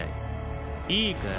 いいか？